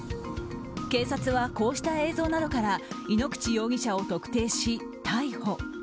警察はこうした映像などから井ノ口容疑者を特定し、逮捕。